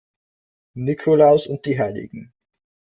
Nikolaus und die Hl.